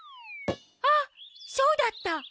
あっそうだった！